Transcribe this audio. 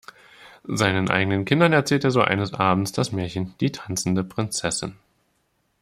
Seinen eigenen Kindern erzählt er so eines Abends das Märchen "Die tanzende Prinzessin".